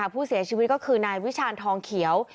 ผู้เสียชีวิตก็คือนายวิชาณทองเขียว